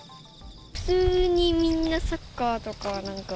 普通にみんなサッカーとかなんか。